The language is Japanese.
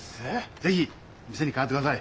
是非店に飾ってください。